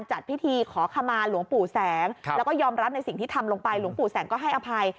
จัดพิธีขอขมาหลวงปู่แสงแล้วก็ยอมรับในสิ่งที่ทำลงไปหลวงปู่แสงก็ให้อภัย